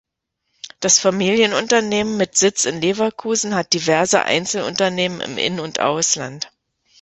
Das Familienunternehmen mit Sitz in Leverkusen hat diverse Einzelunternehmen im In- und Ausland.